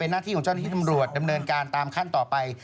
หน้าที่ของเจ้าหน้าที่ตำรวจดำเนินการตามขั้นต่อไป